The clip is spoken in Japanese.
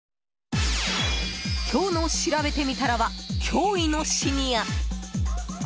今日のしらべてみたらは驚異のシニア。